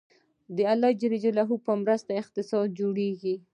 د الله په مرسته اقتصاد جوړیږي